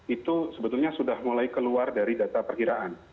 itu sebetulnya sudah mulai keluar dari data perkiraan